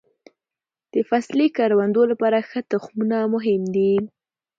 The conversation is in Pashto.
د فصلي کروندو لپاره ښه تخمونه مهم دي.